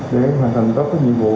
để hoàn thành tất cả nhiệm vụ